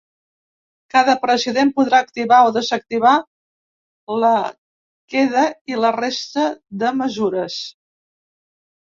Cada president podrà activar o desactivar la queda i la resta de mesures.